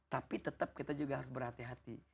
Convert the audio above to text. tapi tetap kita juga harus berhati hati